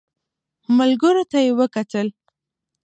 ملګرو ته يې وکتل.